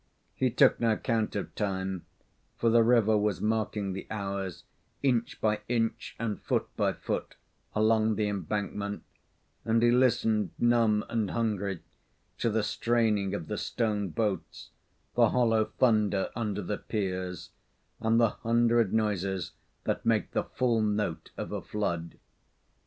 He took no count of time, for the river was marking the hours, inch by inch and foot by foot, along the embankment, and he listened, numb and hungry, to the straining of the stone boats, the hollow thunder under the piers, and the hundred noises that make the full note of a flood.